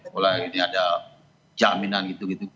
mulai ini ada jaminan gitu gitu